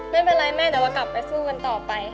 ไม่เป็นไรแม่เดี๋ยวว่ากลับไปสู้กันต่อไป